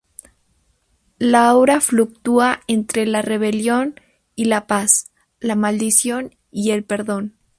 La obra fluctúa entre la rebelión y la paz, la maldición y el perdón.